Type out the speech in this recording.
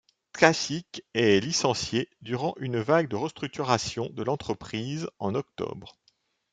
Tkacik est licencié durant une vague de restructuration de l'entreprise en octobre.